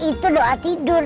itu doa tidur